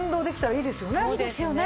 いいですよね。